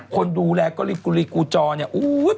คนดูแลก็รีบูลีกูจอเนี่ย